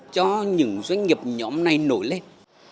cho những doanh nghiệp nhóm này nổi lên